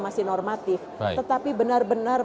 masih normatif tetapi benar benar